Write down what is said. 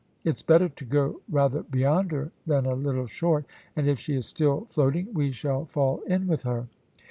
It's better to go rather beyond her than a little short, and if she is still floating we shall fall in with her."